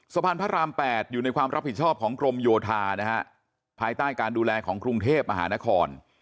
สะพานพระราม๘อยู่ในความรับผิดชอบของกรมโยธานะฮะภายใต้การดูแลของกรุงเทพมหานคร